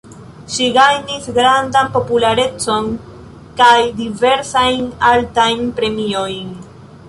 Ŝi gajnis grandan popularecon kaj diversajn altajn premiojn.